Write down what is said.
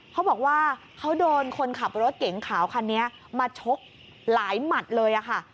เขาบอกว่าเขาโดนคนขับรถเก๋งขาวคันนี้มาชกหลายหมัดเลยค่ะ